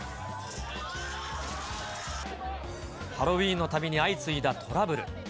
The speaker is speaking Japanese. ハロウィーンのたびに相次いだトラブル。